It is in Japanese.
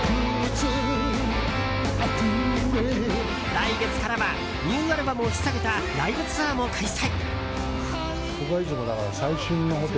来月からはニューアルバムを引っさげたライブツアーも開催。